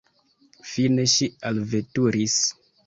Fine ŝi alveturis.